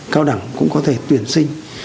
cao đẳng cũng có thể tuyển sinh